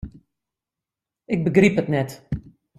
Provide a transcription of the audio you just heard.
Ik begryp it net.